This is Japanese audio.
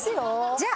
じゃあ。